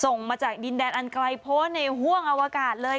มาจากดินแดนอันไกลโพสต์ในห่วงอวกาศเลย